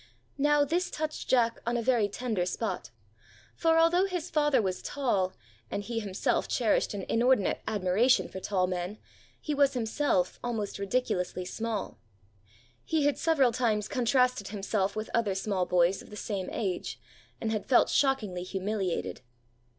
Now this touched Jack on a very tender spot, for, although his father was tall, and he himself cherished an inordinate admiration for tall men, he was himself almost ridiculously small. He had several times contrasted himself with other small boys of the same age, and had felt shockingly humiliated.